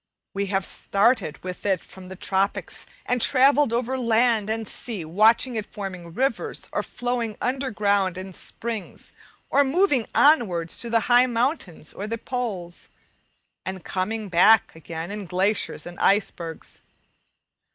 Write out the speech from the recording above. We have started with it from the tropics, and travelled over land and sea, watching it forming rivers, or flowing underground in springs, or moving onwards to the high mountains or the poles, and coming back again in glaciers and icebergs.